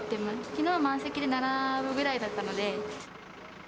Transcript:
きのう満席で並ぶぐらいだったので。